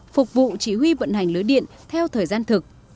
phục vụ chỉ huy vận hành lưới điện theo thời gian thực